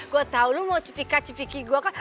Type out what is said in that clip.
gue tau lo mau cipika cipiki gue kan